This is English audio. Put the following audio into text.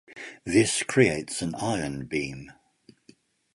This creates an ion beam.